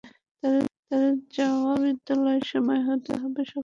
তার চাওয়া, বিদ্যালয়ের সময় হতে হবে সকাল নয়টা থেকে বেলা একটা পর্যন্ত।